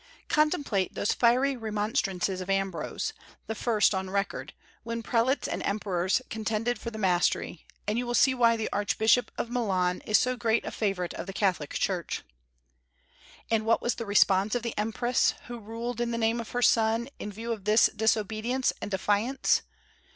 Contemplate those fiery remonstrances of Ambrose, the first on record, when prelates and emperors contended for the mastery, and you will see why the Archbishop of Milan is so great a favorite of the Catholic Church. And what was the response of the empress, who ruled in the name of her son, in view of this disobedience and defiance?